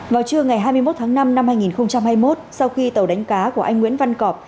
vào trưa ngày hai mươi một tháng năm năm hai nghìn hai mươi một sau khi tàu đánh cá của anh nguyễn văn cọp